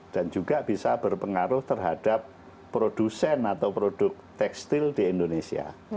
dan juga bisa berpengaruh terhadap produsen atau produk tekstil di indonesia